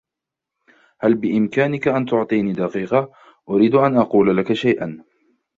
هل بإمكانك أن تعطيني دقيقة؟ أريد أن أقول لك شيئا.